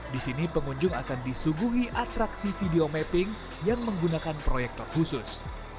di sini pengunjung akan disuguhi atraksi video mapping yang menggunakan proyektor khusus